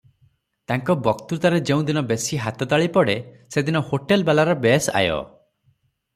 ତାଙ୍କ ବକ୍ତୃତାରେ ଯେଉଁଦିନ ବେଶି ହାତତାଳି ପଡ଼େ, ସେଦିନ ହୋଟେଲବାଲାର ବେଶ ଆୟ ।